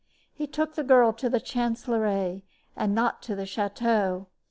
He took the girl to the chancellerie, and not to the chateau.